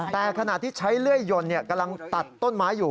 แต่ขณะที่ใช้เลื่อยยนกำลังตัดต้นไม้อยู่